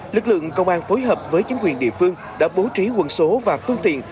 lực lượng công an phối hợp với chính quyền địa phương đã bố trí quân số và phương tiện